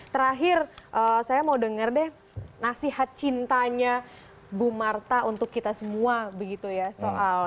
terakhir saya mau dengar deh nasihat cintanya bu marta untuk kita semua begitu ya soal